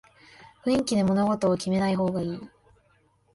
雰囲気で物事を決めない方がいい